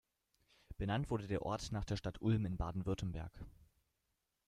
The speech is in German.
Benannt wurde der Ort nach der Stadt Ulm in Baden-Württemberg.